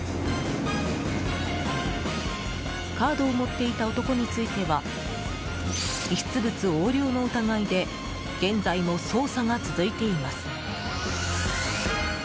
カードを持っていた男については遺失物横領の疑いで現在も捜査が続いています。